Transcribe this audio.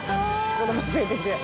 子供連れていきてえ。